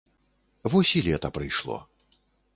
Вось і лета прыйшло.